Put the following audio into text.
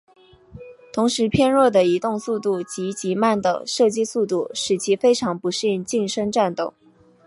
同时偏弱的移动速度及极慢的射击速度使其非常不适应近身战斗。